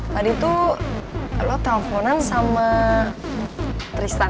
tadi tuh lo telponan sama tristan